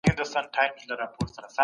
ځینې ویروسونه د انسان لپاره زیان نه رسوي.